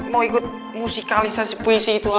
mau ikut musikalisasi puisi itu